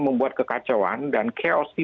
membuat kekacauan dan chaos